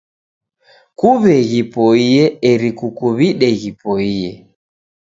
Kuw'e ghipoie eri kukuw'ide ghipoie.